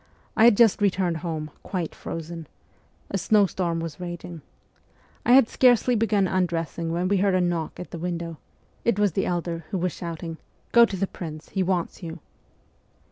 I had just returned home, quite frozen. A snowstorm was raging. I had scarcely begun undress ing when we heard a knock at the window : it was the elder, who was shouting, " Go to the prince ! He wants you